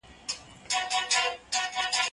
زه بايد لوښي وچوم!؟